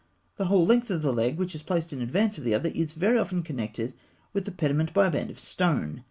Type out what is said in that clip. The whole length of the leg which is placed in advance of the other is very often connected with the pediment by a band of stone.